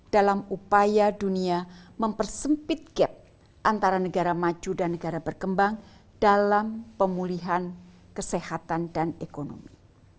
dalam upaya dunia mempersempit gap antara negara maju dan negara berkembang dalam pemulihan kesehatan dan ekonomi